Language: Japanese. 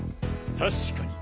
確かに。